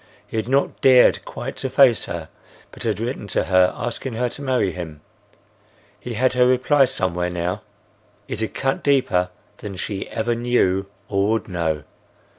He had not dared quite to face her, but had written to her, asking her to marry him. He had her reply somewhere now; it had cut deeper than she ever knew or would know.